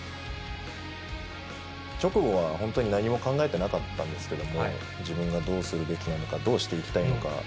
直後は本当に何も考えてなかったんですけども、自分がどうするべきなのか、どうしていきたいのか。